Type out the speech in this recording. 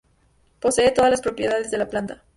Posee todas las propiedades de la planta.